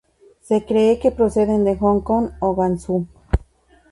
Se cree que proceden de Hong Kong o Guangzhou.